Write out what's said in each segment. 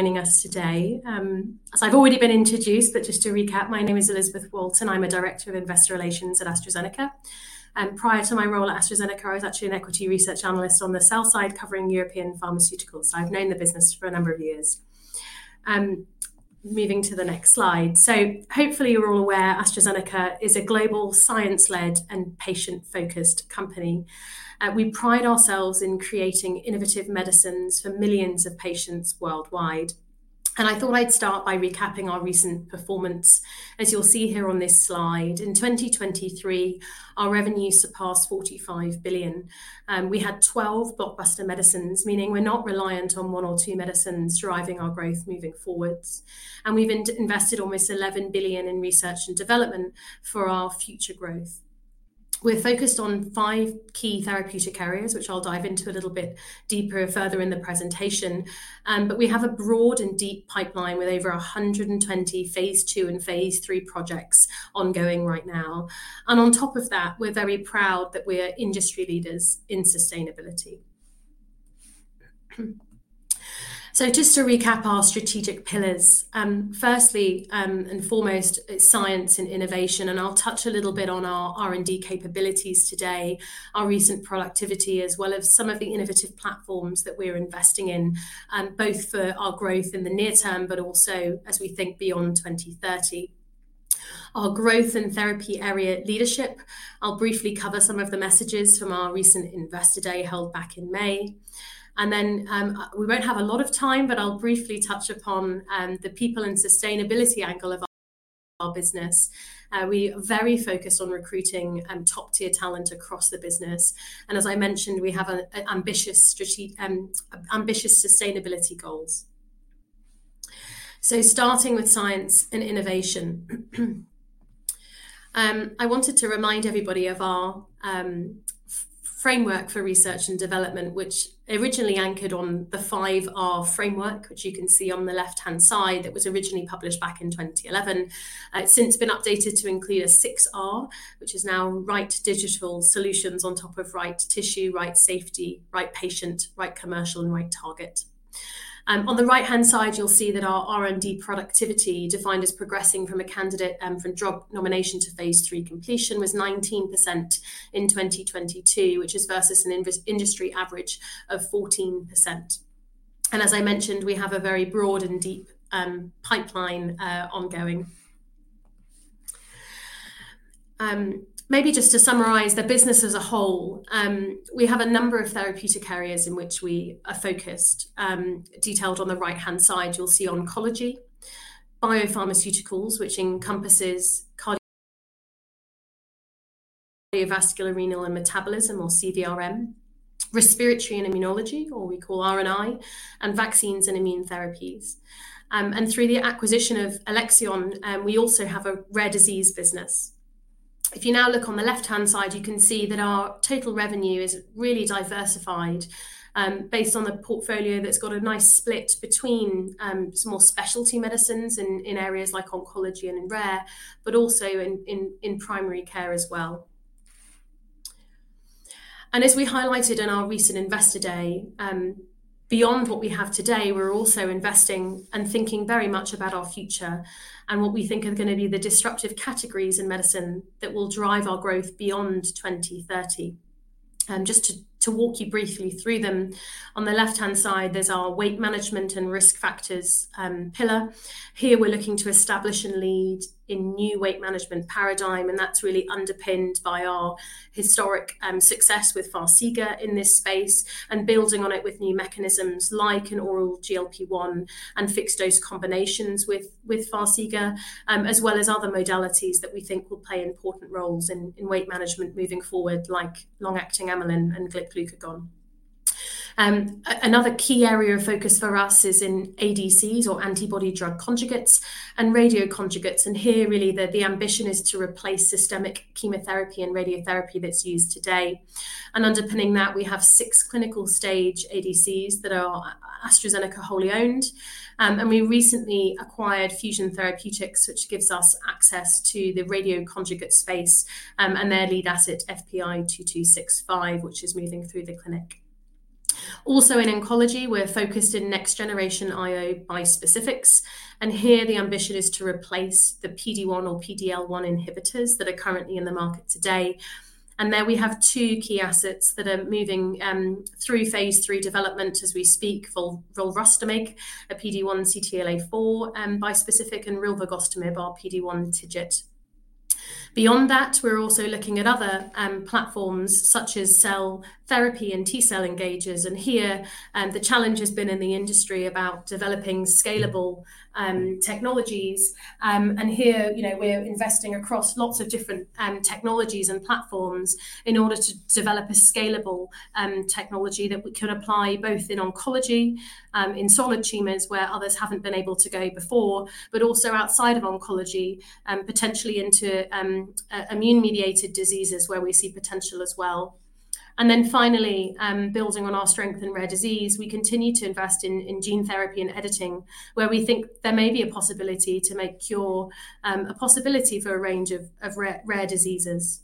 joining us today. So I've already been introduced, but just to recap, my name is Elizabeth Walton. I'm a director of Investor Relations at AstraZeneca, and prior to my role at AstraZeneca, I was actually an equity research analyst on the sell side, covering European pharmaceuticals, so I've known the business for a number of years. Moving to the next slide. So hopefully, you're all aware AstraZeneca is a global science-led and patient-focused company. We pride ourselves in creating innovative medicines for millions of patients worldwide. And I thought I'd start by recapping our recent performance. As you'll see here on this slide, in 2023, our revenue surpassed $45 billion. We had 12 blockbuster medicines, meaning we're not reliant on one or two medicines driving our growth moving forward. And we've invested almost $11 billion in research and development for our future growth. We're focused on five key therapeutic areas, which I'll dive into a little bit deeper further in the presentation, but we have a broad and deep pipeline with over a hundred and twenty phase II and phase III projects ongoing right now. On top of that, we're very proud that we are industry leaders in sustainability. Just to recap our strategic pillars, firstly and foremost, it's science and innovation, and I'll touch a little bit on our R&D capabilities today, our recent productivity, as well as some of the innovative platforms that we're investing in, both for our growth in the near term, but also as we think beyond 2030. Our growth and therapy area leadership. I'll briefly cover some of the messages from our recent Investor Day, held back in May. Then we won't have a lot of time, but I'll briefly touch upon the people and sustainability angle of our business. We are very focused on recruiting top-tier talent across the business, and as I mentioned, we have an ambitious sustainability goals. Starting with science and innovation. I wanted to remind everybody of our framework for research and development, which originally anchored on the 5R framework, which you can see on the left-hand side, that was originally published back in twenty eleven. It's since been updated to include a 6R, which is now right digital solutions on top of right tissue, right safety, right patient, right commercial and right target. On the right-hand side, you'll see that our R&D productivity, defined as progressing from a candidate from drug nomination to phase III completion, was 19% in 2022, which is versus an industry average of 14%. As I mentioned, we have a very broad and deep pipeline ongoing. Maybe just to summarize, the business as a whole, we have a number of therapeutic areas in which we are focused. Detailed on the right-hand side, you'll see oncology, biopharmaceuticals, which encompasses cardiovascular, renal, and metabolism, or CVRM, respiratory and immunology, or we call R&I, and vaccines and immune therapies, and through the acquisition of Alexion, we also have a rare disease business. If you now look on the left-hand side, you can see that our total revenue is really diversified, based on the portfolio that's got a nice split between some more specialty medicines in primary care as well. And as we highlighted in our recent Investor Day, beyond what we have today, we're also investing and thinking very much about our future and what we think are gonna be the disruptive categories in medicine that will drive our growth beyond twenty thirty. Just to walk you briefly through them, on the left-hand side, there's our weight management and risk factors pillar. Here, we're looking to establish and lead in new weight management paradigm, and that's really underpinned by our historic success with Farxiga in this space, and building on it with new mechanisms like an oral GLP-1 and fixed-dose combinations with Farxiga, as well as other modalities that we think will play important roles in weight management moving forward, like long-acting amylin and glucagon. Another key area of focus for us is in ADCs, or antibody-drug conjugates and radioconjugates, and here really the ambition is to replace systemic chemotherapy and radiotherapy that's used today, and underpinning that, we have six clinical-stage ADCs that are AstraZeneca wholly owned, and we recently acquired Fusion Pharmaceuticals, which gives us access to the radioconjugate space, and their lead asset, FPI-2265, which is moving through the clinic. Also, in oncology, we're focused in next generation IO bispecifics, and here the ambition is to replace the PD-1 or PD-L1 inhibitors that are currently in the market today. And there we have two key assets that are moving through phase III development as we speak, volrustomig, a PD-1/CTLA-4 bispecific and rilvegostomig, our PD-1/TIGIT. Beyond that, we're also looking at other platforms such as cell therapy and T-cell engagers, and here the challenge has been in the industry about developing scalable technologies. And here, you know, we're investing across lots of different technologies and platforms in order to develop a scalable technology that we can apply both in oncology in solid tumors, where others haven't been able to go before, but also outside of oncology potentially into immune-mediated diseases, where we see potential as well. And then finally, building on our strength in rare disease, we continue to invest in gene therapy and editing, where we think there may be a possibility to make cure a possibility for a range of rare diseases.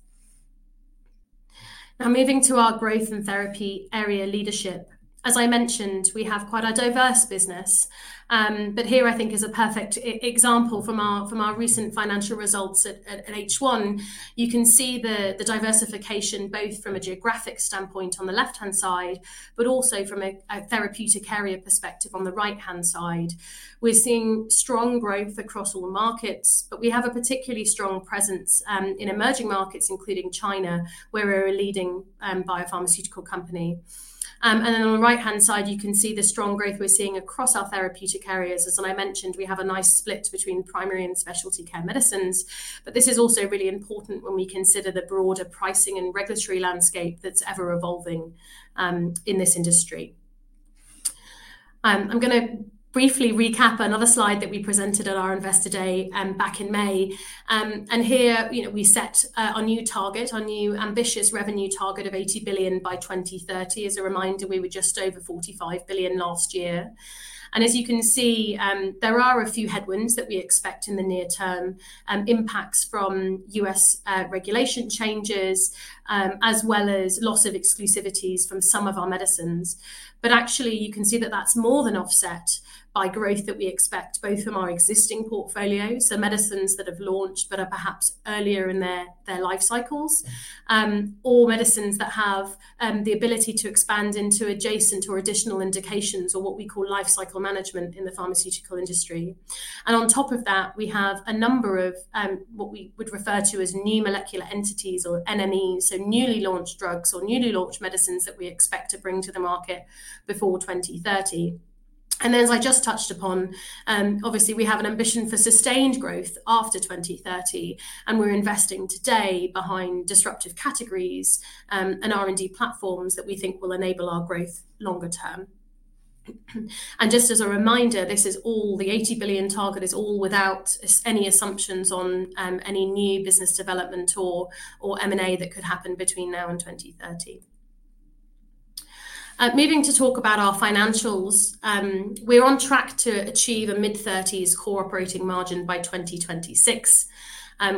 Now, moving to our growth and therapy area leadership. As I mentioned, we have quite a diverse business. But here I think is a perfect example from our recent financial results at H1. You can see the diversification, both from a geographic standpoint on the left-hand side, but also from a therapeutic area perspective on the right-hand side. We're seeing strong growth across all markets, but we have a particularly strong presence in emerging markets, including China, where we're a leading biopharmaceutical company. And then on the right-hand side, you can see the strong growth we're seeing across our therapeutic areas. As I mentioned, we have a nice split between primary and specialty care medicines, but this is also really important when we consider the broader pricing and regulatory landscape that's ever-evolving, in this industry. I'm gonna briefly recap another slide that we presented at our Investor Day, back in May. And here, you know, we set our new target, our new ambitious revenue target of $80 billion by 2030. As a reminder, we were just over $45 billion last year. And as you can see, there are a few headwinds that we expect in the near term, impacts from U.S. regulation changes, as well as loss of exclusivities from some of our medicines. But actually, you can see that that's more than offset by growth that we expect both from our existing portfolio, so medicines that have launched but are perhaps earlier in their life cycles, or medicines that have the ability to expand into adjacent or additional indications or what we call life cycle management in the pharmaceutical industry. And on top of that, we have a number of what we would refer to as new molecular entities or NMEs, so newly launched drugs or newly launched medicines that we expect to bring to the market before 2030. And as I just touched upon, obviously, we have an ambition for sustained growth after 2030, and we're investing today behind disruptive categories and R&D platforms that we think will enable our growth longer term. And just as a reminder, this is all the eighty billion target is all without any assumptions on any new business development or M&A that could happen between now and 2030. Moving to talk about our financials. We're on track to achieve a mid-30s core operating margin by 2026.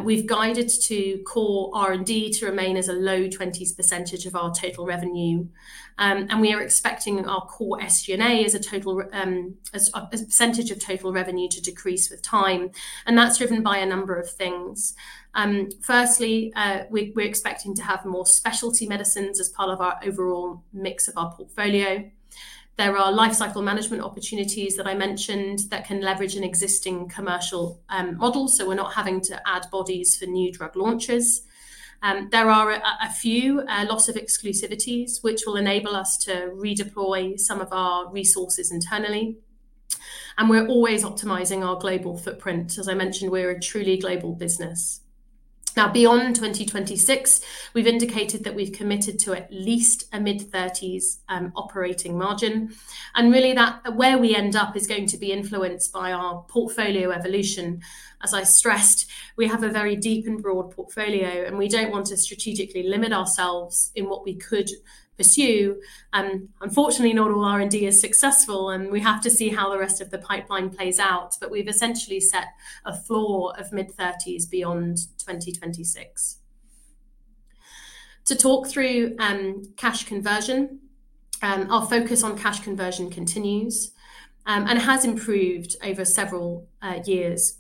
We've guided to core R&D to remain as a low 20s% of our total revenue. And we are expecting our core SG&A as a total, as a percentage of total revenue to decrease with time, and that's driven by a number of things. Firstly, we're expecting to have more specialty medicines as part of our overall mix of our portfolio. There are life cycle management opportunities that I mentioned that can leverage an existing commercial model, so we're not having to add bodies for new drug launches. There are a few loss of exclusivities, which will enable us to redeploy some of our resources internally, and we're always optimizing our global footprint. As I mentioned, we're a truly global business. Now, beyond 2026, we've indicated that we've committed to at least a mid-30s operating margin, and really, that, where we end up is going to be influenced by our portfolio evolution. As I stressed, we have a very deep and broad portfolio, and we don't want to strategically limit ourselves in what we could pursue. Unfortunately, not all R&D is successful, and we have to see how the rest of the pipeline plays out, but we've essentially set a floor of mid-thirties beyond 2026. To talk through cash conversion. Our focus on cash conversion continues, and has improved over several years.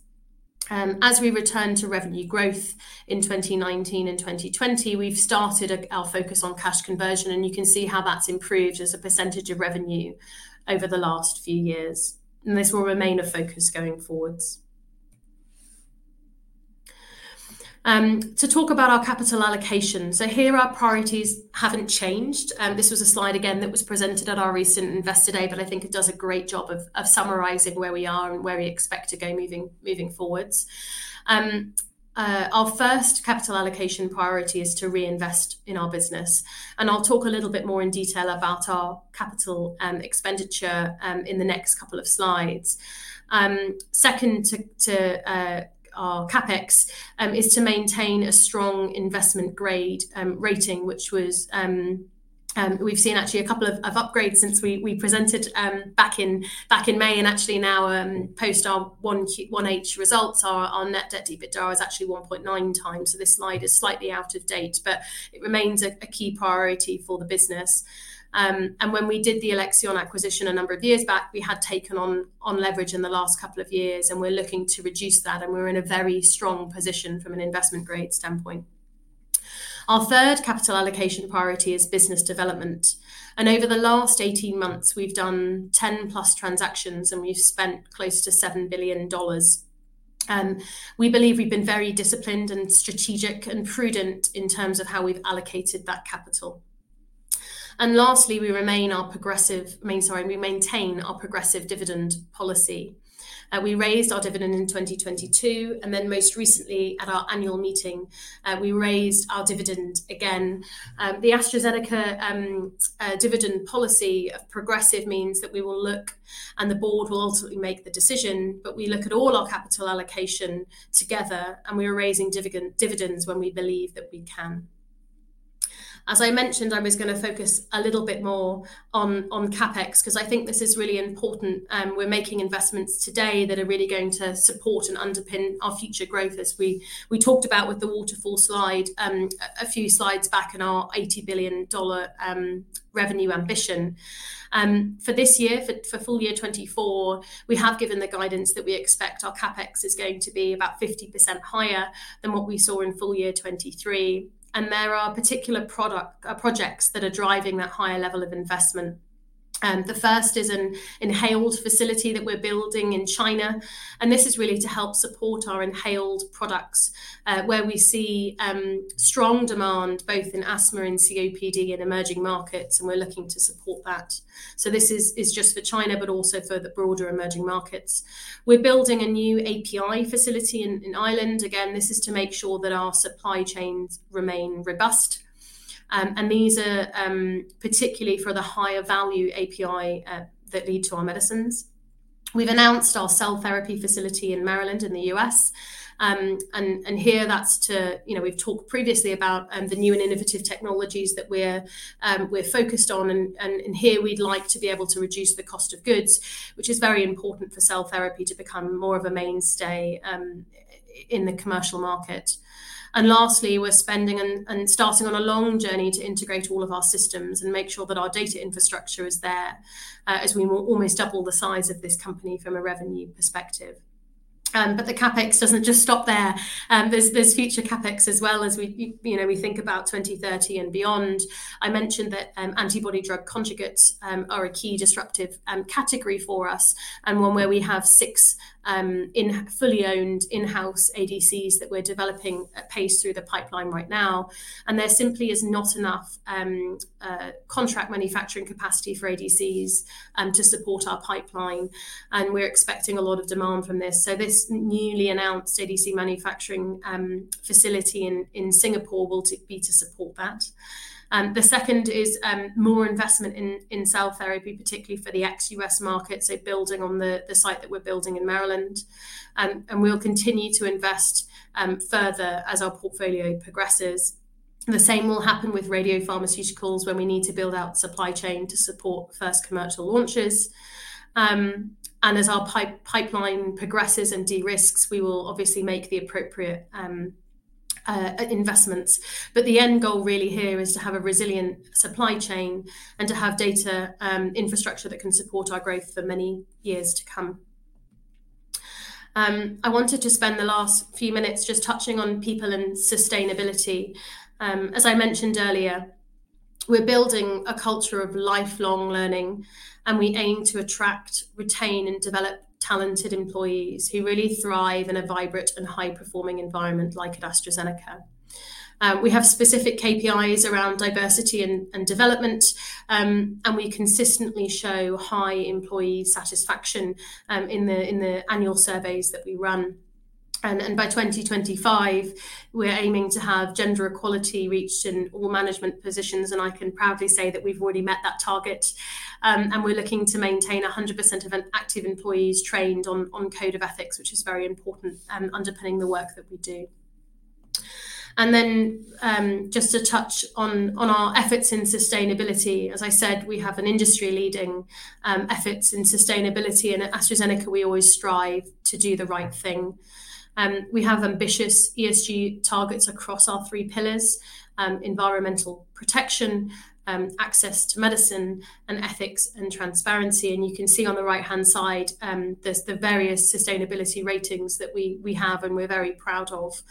As we return to revenue growth in 2019 and 2020, we've started our focus on cash conversion, and you can see how that's improved as a percentage of revenue over the last few years, and this will remain a focus going forwards. To talk about our capital allocation. So here, our priorities haven't changed, and this was a slide again that was presented at our recent Investor Day, but I think it does a great job of summarizing where we are and where we expect to go moving forwards. Our first capital allocation priority is to reinvest in our business, and I'll talk a little bit more in detail about our capital expenditure in the next couple of slides. Second to our CapEx is to maintain a strong investment grade rating, which was. We've seen actually a couple of upgrades since we presented back in May, and actually now, post our 1H results, our net debt to EBITDA is actually one point nine times. So this slide is slightly out of date, but it remains a key priority for the business. And when we did the Alexion acquisition a number of years back, we had taken on leverage in the last couple of years, and we're looking to reduce that, and we're in a very strong position from an investment grade standpoint. Our third capital allocation priority is business development, and over the last 18 months, we've done 10 plus transactions, and we've spent close to $7 billion. We believe we've been very disciplined and strategic and prudent in terms of how we've allocated that capital. And lastly, we maintain our progressive dividend policy. We raised our dividend in 2022, and then most recently, at our annual meeting, we raised our dividend again. The AstraZeneca dividend policy of progressive means that we will look, and the board will ultimately make the decision, but we look at all our capital allocation together, and we are raising dividends when we believe that we can. As I mentioned, I was going to focus a little bit more on CapEx, because I think this is really important. We're making investments today that are really going to support and underpin our future growth, as we talked about with the waterfall slide, a few slides back in our $80 billion revenue ambition. For this year, for full year 2024, we have given the guidance that we expect our CapEx is going to be about 50% higher than what we saw in full year 2023, and there are particular product projects that are driving that higher level of investment. The first is an inhaled facility that we're building in China, and this is really to help support our inhaled products, where we see strong demand both in asthma and COPD in emerging markets, and we're looking to support that. So this is just for China, but also for the broader emerging markets. We're building a new API facility in Ireland. Again, this is to make sure that our supply chains remain robust. And these are particularly for the higher value API that lead to our medicines. We've announced our cell therapy facility in Maryland, in the U.S. And here that's to, you know, we've talked previously about the new and innovative technologies that we're focused on, and here we'd like to be able to reduce the cost of goods, which is very important for cell therapy to become more of a mainstay in the commercial market. And lastly, we're spending and starting on a long journey to integrate all of our systems and make sure that our data infrastructure is there, as we almost double the size of this company from a revenue perspective. But the CapEx doesn't just stop there. There's future CapEx as well as we, you know, we think about 2030 and beyond. I mentioned that, antibody drug conjugates, are a key disruptive category for us, and one where we have six fully owned in-house ADCs that we're developing at pace through the pipeline right now. And there simply is not enough contract manufacturing capacity for ADCs to support our pipeline, and we're expecting a lot of demand from this. So this newly announced ADC manufacturing facility in Singapore will be to support that. The second is more investment in cell therapy, particularly for the ex-U.S. market, so building on the site that we're building in Maryland. And we'll continue to invest further as our portfolio progresses. The same will happen with radiopharmaceuticals, when we need to build out supply chain to support first commercial launches. As our pipeline progresses and de-risks, we will obviously make the appropriate investments, but the end goal really here is to have a resilient supply chain and to have data infrastructure that can support our growth for many years to come. I wanted to spend the last few minutes just touching on people and sustainability. As I mentioned earlier, we're building a culture of lifelong learning, and we aim to attract, retain, and develop talented employees who really thrive in a vibrant and high-performing environment like AstraZeneca. We have specific KPIs around diversity and development, and we consistently show high employee satisfaction in the annual surveys that we run, and by 2025, we're aiming to have gender equality reached in all management positions, and I can proudly say that we've already met that target. We're looking to maintain 100% of our active employees trained on Code of Ethics, which is very important underpinning the work that we do. Then just to touch on our efforts in sustainability, as I said, we have industry-leading efforts in sustainability, and at AstraZeneca, we always strive to do the right thing. We have ambitious ESG targets across our three pillars: environmental protection, access to medicine, and ethics and transparency. You can see on the right-hand side, there's the various sustainability ratings that we have, and we're very proud of.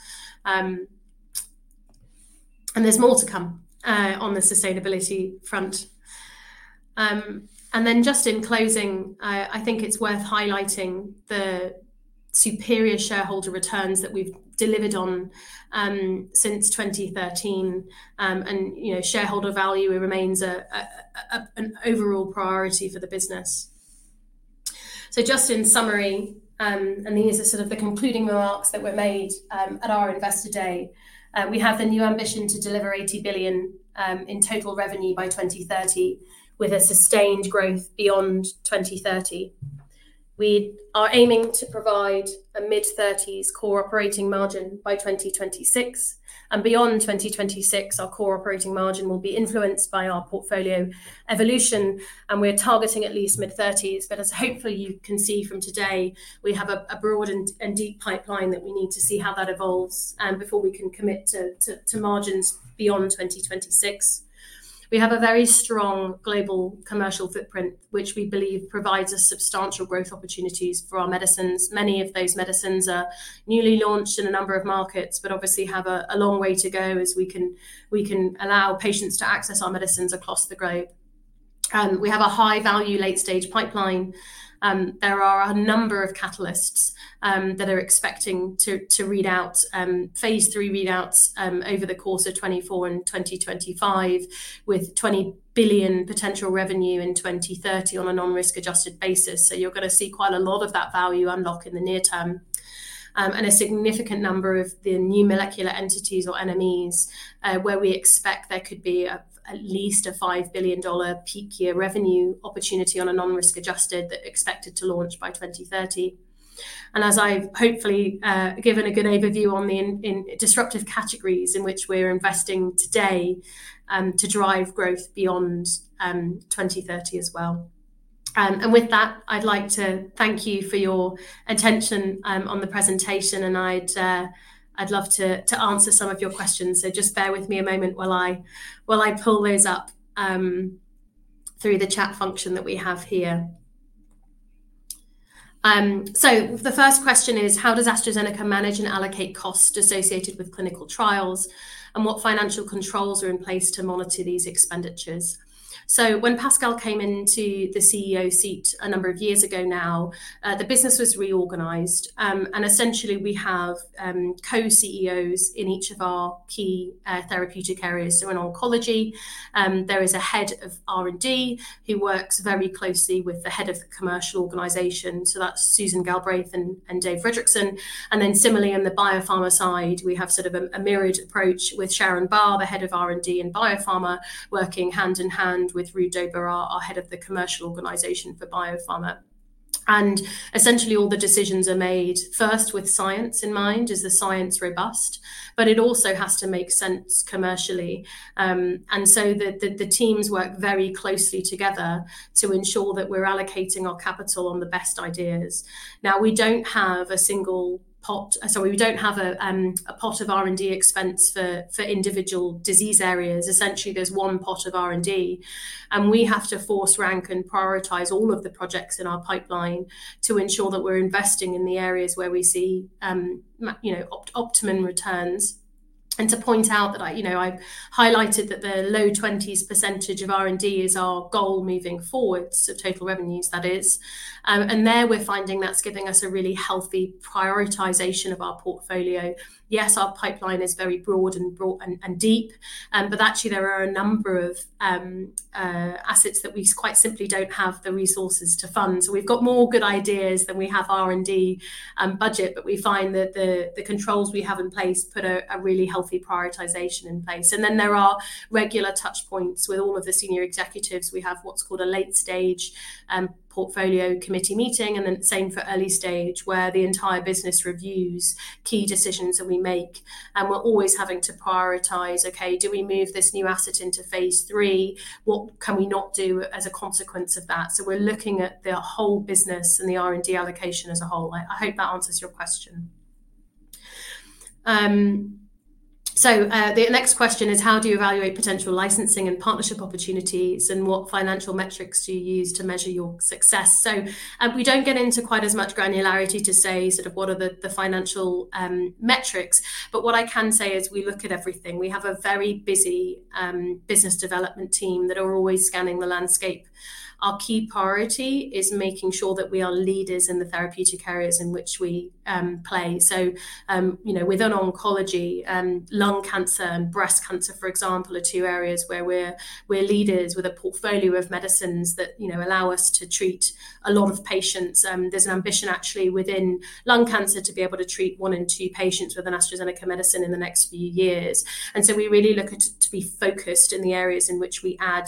There's more to come on the sustainability front. Then just in closing, I think it's worth highlighting the superior shareholder returns that we've delivered on since 2013. And, you know, shareholder value remains an overall priority for the business, so just in summary, and these are sort of the concluding remarks that were made at our Investor Day. We have the new ambition to deliver $80 billion in total revenue by 2030, with a sustained growth beyond 2030. We are aiming to provide a mid-30s core operating margin by 2026, and beyond 2026, our core operating margin will be influenced by our portfolio evolution, and we're targeting at least mid-30s. But as hopefully you can see from today, we have a broad and deep pipeline that we need to see how that evolves before we can commit to margins beyond 2026. We have a very strong global commercial footprint, which we believe provides us substantial growth opportunities for our medicines. Many of those medicines are newly launched in a number of markets, but obviously have a long way to go as we can allow patients to access our medicines across the globe. We have a high-value, late-stage pipeline. There are a number of catalysts that are expecting to read out phase III readouts over the course of 2024 and 2025, with $20 billion potential revenue in 2030 on a non-risk adjusted basis. So you're going to see quite a lot of that value unlock in the near term. And a significant number of the new molecular entities, or NMEs, where we expect there could be a, at least a $5 billion peak year revenue opportunity on a non-risk adjusted that expected to launch by 2030. And as I've hopefully, given a good overview on the in, in disruptive categories in which we're investing today, to drive growth beyond, 2030 as well. And with that, I'd like to thank you for your attention, on the presentation, and I'd, I'd love to, to answer some of your questions. So just bear with me a moment while I, while I pull those up, through the chat function that we have here. So the first question is: How does AstraZeneca manage and allocate costs associated with clinical trials, and what financial controls are in place to monitor these expenditures? So when Pascal came into the CEO seat a number of years ago now, the business was reorganized. And essentially, we have co-CEOs in each of our key therapeutic areas. So in oncology, there is a head of R&D, who works very closely with the head of the commercial organization, so that's Susan Galbraith and David Fredrickson. And then similarly, in the biopharma side, we have sort of a mirrored approach with Sharon Barr, the head of R&D and biopharma, working hand in hand with Ruud Dobber, our head of the commercial organization for biopharma. And essentially, all the decisions are made first with science in mind. Is the science robust? But it also has to make sense commercially. And so the teams work very closely together to ensure that we're allocating our capital on the best ideas. Now, we don't have a pot of R&D expense for individual disease areas. Essentially, there's one pot of R&D, and we have to force rank and prioritize all of the projects in our pipeline to ensure that we're investing in the areas where we see, you know, optimum returns. And to point out that I, you know, I've highlighted that the low 20s% of R&D is our goal moving forward, so total revenues, that is. And there, we're finding that's giving us a really healthy prioritization of our portfolio. Yes, our pipeline is very broad and deep, but actually there are a number of assets that we quite simply don't have the resources to fund. So we've got more good ideas than we have R&D budget, but we find that the controls we have in place put a really healthy prioritization in place. And then there are regular touch points with all of the senior executives. We have what's called a Late-Stage Portfolio Committee meeting, and then same for early stage, where the entire business reviews key decisions that we make. And we're always having to prioritize, okay, do we move this new asset into phase III? What can we not do as a consequence of that? So we're looking at the whole business and the R&D allocation as a whole. I hope that answers your question. The next question is: How do you evaluate potential licensing and partnership opportunities, and what financial metrics do you use to measure your success? We don't get into quite as much granularity to say sort of what are the, the financial metrics, but what I can say is we look at everything. We have a very busy business development team that are always scanning the landscape. Our key priority is making sure that we are leaders in the therapeutic areas in which we play. You know, within oncology, lung cancer and breast cancer, for example, are two areas where we're leaders with a portfolio of medicines that, you know, allow us to treat a lot of patients. There's an ambition actually within lung cancer to be able to treat one in two patients with an AstraZeneca medicine in the next few years. And so we really look at to be focused in the areas in which we add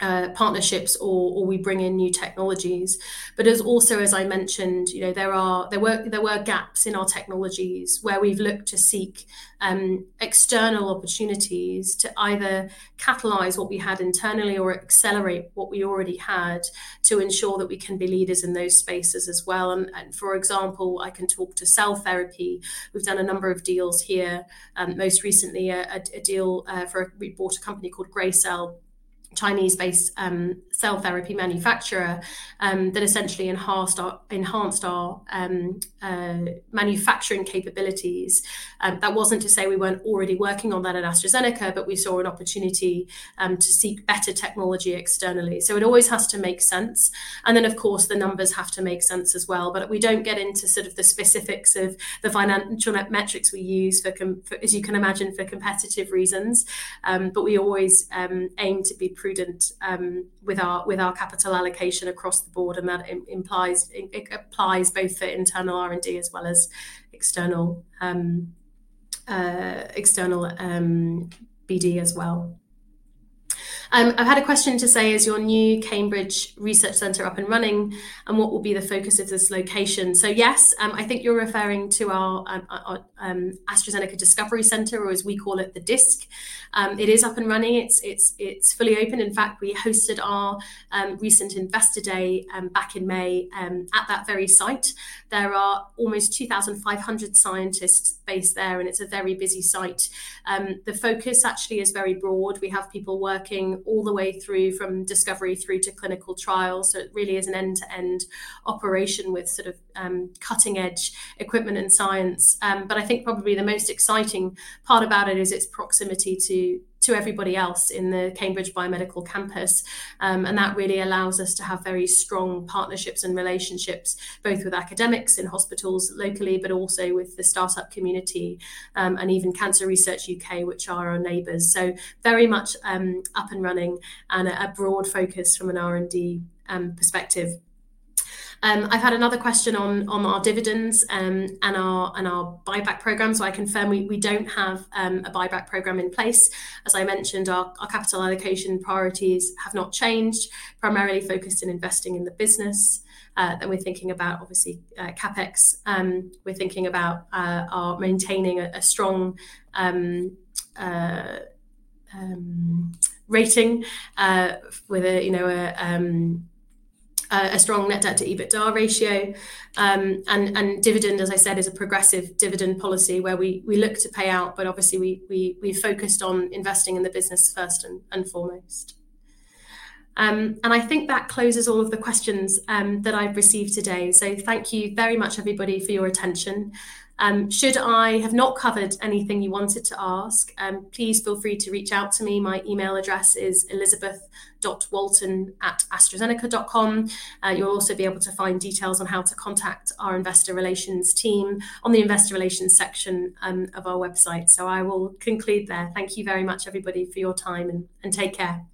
partnerships or we bring in new technologies. But as also, as I mentioned, you know, there were gaps in our technologies where we've looked to seek external opportunities to either catalyze what we had internally or accelerate what we already had, to ensure that we can be leaders in those spaces as well. For example, I can talk to cell therapy. We've done a number of deals here, most recently a deal for... We bought a company called Gracell, Chinese-based, cell therapy manufacturer, that essentially enhanced our manufacturing capabilities. That wasn't to say we weren't already working on that at AstraZeneca, but we saw an opportunity to seek better technology externally. So it always has to make sense, and then, of course, the numbers have to make sense as well. But we don't get into sort of the specifics of the financial metrics we use, as you can imagine, for competitive reasons. But we always aim to be prudent with our capital allocation across the board, and that implies it applies both for internal R&D as well as external BD as well. I've had a question to say: Is your new Cambridge research center up and running, and what will be the focus of this location? So yes, I think you're referring to our AstraZeneca Discovery Centre, or as we call it, the DISC. It is up and running. It's fully open. In fact, we hosted our recent Investor Day back in May at that very site. There are almost 2,500 scientists based there, and it's a very busy site. The focus actually is very broad. We have people working all the way through, from discovery through to clinical trials, so it really is an end-to-end operation with sort of cutting-edge equipment and science. But I think probably the most exciting part about it is its proximity to everybody else in the Cambridge Biomedical Campus. And that really allows us to have very strong partnerships and relationships, both with academics in hospitals locally, but also with the start-up community, and even Cancer Research UK, which are our neighbors. So very much up and running, and a broad focus from an R&D perspective. I've had another question on our dividends and our buyback program. So I confirm we don't have a buyback program in place. As I mentioned, our capital allocation priorities have not changed, primarily focused in investing in the business. And we're thinking about, obviously, CapEx. We're thinking about our maintaining a strong rating with a, you know, a strong net debt to EBITDA ratio. And dividend, as I said, is a progressive dividend policy where we look to pay out, but obviously we focused on investing in the business first and foremost. And I think that closes all of the questions that I've received today. So thank you very much, everybody, for your attention. Should I have not covered anything you wanted to ask, please feel free to reach out to me. My email address is Elizabeth.Walton@astrazeneca.com. You'll also be able to find details on how to contact our investor relations team on the investor relations section of our website. So I will conclude there. Thank you very much, everybody, for your time, and take care.